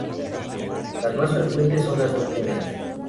Las más frecuentes son las dos primeras.